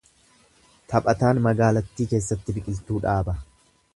Taphataan magaalattii keessatti biqiltuu dhaaba.